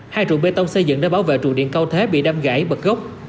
hai trụ bê tông xây dựng để bảo vệ trụ điện cao thế bị đâm gãy bật gốc